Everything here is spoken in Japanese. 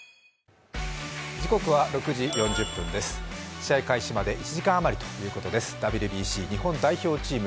試合開始まで１時間余りということです、ＷＢＣ、日本代表チーム。